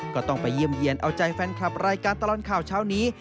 ก็ต้องไปเยี่ยมเยี่ยนเอาใจแฟนคลับรายการตลอดข่าวเช้านี้